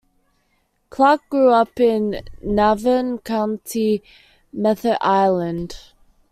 Clarke grew up in Navan, County Meath, Ireland.